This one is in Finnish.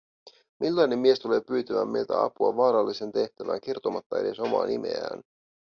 Millainen mies tulee pyytämään meiltä apua vaaralliseen tehtävään kertomatta edes omaa nimeään?